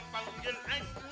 panggil aja si jawa